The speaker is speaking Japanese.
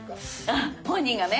あ本人がね！